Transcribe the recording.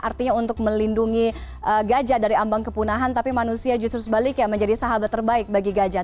artinya untuk melindungi gajah dari ambang kepunahan tapi manusia justru sebaliknya menjadi sahabat terbaik bagi gajah